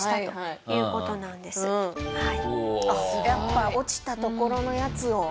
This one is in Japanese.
すごい。落ちたところのやつを。